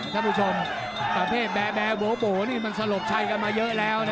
ถ้าผู้ชม๓๔๖๐๐๐๐เปรยบมันสลบชายกันมาเยอะแล้วนะ